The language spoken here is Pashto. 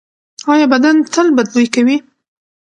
ایا بدن تل بد بوی کوي؟